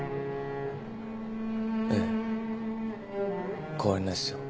ええ変わりないっすよ。